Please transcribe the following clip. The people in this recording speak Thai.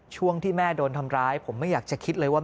ช่วงที่แม่โดนทำร้ายผมไม่อยากจะคิดเลยว่า